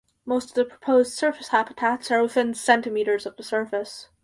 Most of the proposed surface habitats are within centimeters of the surface.